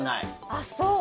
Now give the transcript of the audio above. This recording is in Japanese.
ああ、そう。